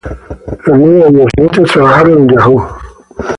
Los nueve años siguientes trabajaron en Yahoo.